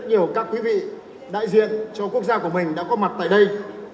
hãy đại diện cho quốc gia của mình đã có mặt tại đây